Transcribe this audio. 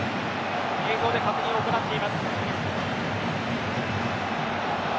映像で確認を行っています。